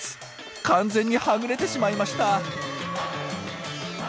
完全にはぐれてしまいました。